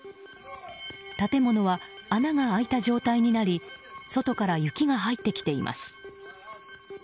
建物は穴が開いた状態になり外から雪が入ってきています。